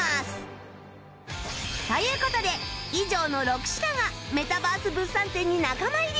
という事で以上の６品がメタバース物産展に仲間入り